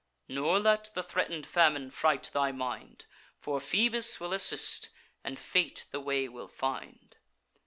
Nor let the threaten'd famine fright thy mind, For Phoebus will assist, and Fate the way will find.